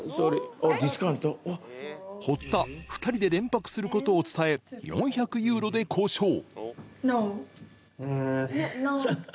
堀田２人で連泊することを伝え４００ユーロで交渉ノー？